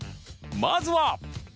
まずは